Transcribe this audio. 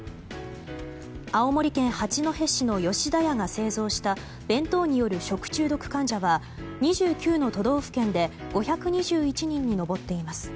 青森県八戸市の吉田屋が製造した弁当による食中毒患者は２９の都道府県で５２１人に上っています。